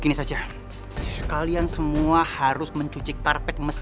ketika kita membentar acceptance